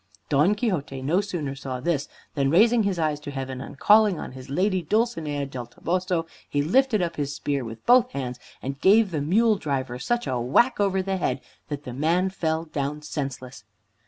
Don Quixote no sooner saw this than, raising his eyes to heaven, and calling on his Lady Dulcinea del Toboso, he lifted up his spear with both hands and gave the mule driver such a whack over the head that the man fell down senseless.